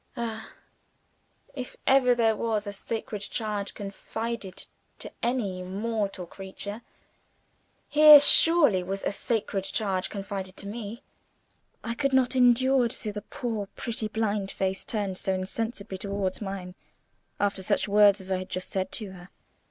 Ah, if ever there was a sacred charge confided to any mortal creature, here surely was a sacred charge confided to Me! I could not endure to see the poor pretty blind face turned so insensibly towards mine, after such words as I had just said to her.